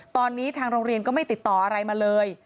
ตอนนี้ทางโรงเรียนก็ไม่ติดต่ออะไรมาเลย